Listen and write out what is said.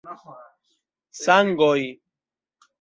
Sangoj.